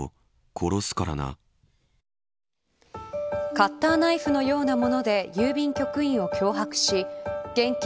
カッターナイフのようなもので郵便局員を脅迫し現金